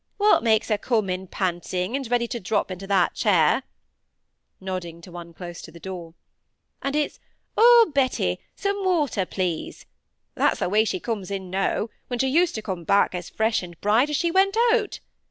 What makes her come in panting and ready to drop into that chair,"—nodding to one close to the door,—"and it's 'Oh! Betty, some water, please'? That's the way she comes in now, when she used to come back as fresh and bright as she went out.